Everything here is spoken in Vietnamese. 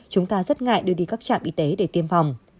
chúng ta rất ngại đưa đi các trạm y tế để tiêm phòng